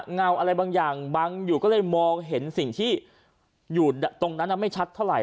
เงาอะไรบางอย่างบังอยู่ก็เลยมองเห็นสิ่งที่อยู่ตรงนั้นไม่ชัดเท่าไห